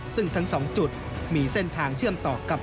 ซึ่งทั้ง๒จุดมีเส้นทางเชื่อมต่อกับ